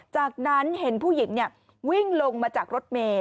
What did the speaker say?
จากนั้นเห็นผู้หญิงวิ่งลงมาจากรถเมย์